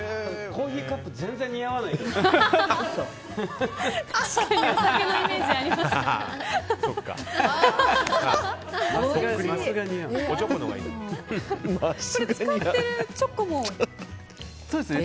コーヒーカップ全然似合わないですね。